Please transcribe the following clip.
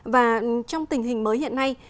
và trong tình hình mới hiện nay